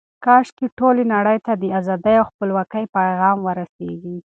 کاشکې ټولې نړۍ ته د ازادۍ او خپلواکۍ پیغام ورسیږي.